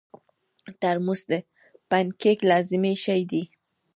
ترموز د پکنیک لازمي شی دی.